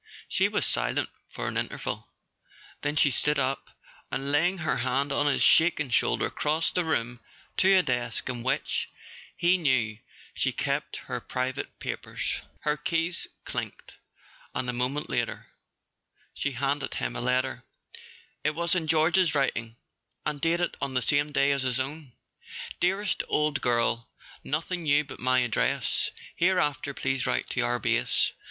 She was silent for an interval; then she stood up, and laying her hand on his shaking shoulder crossed the room to a desk in which he knew she kept her pri¬ vate papers. Her keys clinked, and a moment later she [ 212 ] A SON AT THE FRONT handed him a letter. It was in George's writing, and dated on the same day as his own. "Dearest old girl, nothing new but my address. Hereafter please write to our Base.